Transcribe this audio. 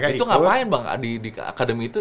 itu ngapain bang di akademi itu